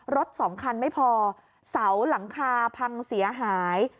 รถสองคันไม่พอเสาหลังคาพังเสียหาย